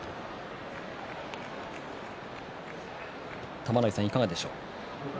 玉ノ井さん、いかがでしょう？